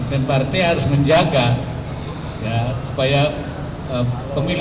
untuk tidak melakukan hal hal yang berbeda